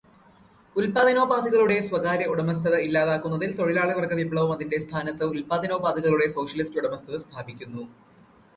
ഉല്പാദനോപാധികളുടെ സ്വകാര്യ ഉടമസ്ഥത ഇല്ലാതാക്കുന്നതിൽ, തൊഴിലാളിവർഗ വിപ്ലവം അതിന്റെ സ്ഥാനത്ത് ഉൽപ്പാദനോപാധികളുടെ സോഷ്യലിസ്റ്റ് ഉടമസ്ഥത സ്ഥാപിക്കുന്നു.